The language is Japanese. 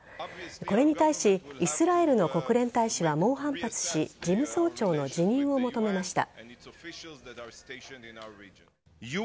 これに対しイスラエルの国連大使は猛反発し事務総長の辞任を求めました。